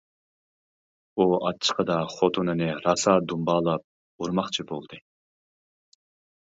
ئۇ ئاچچىقىدا خوتۇنىنى راسا دۇمبالاپ ئۇرماقچى بولدى.